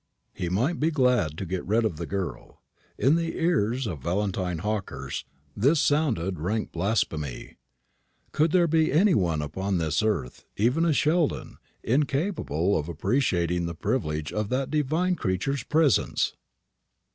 "He might be glad to get rid of the girl." In the ears of Valentine Hawkehurst this sounded rank blasphemy. Could there be any one upon this earth, even a Sheldon, incapable of appreciating the privilege of that divine creature's presence?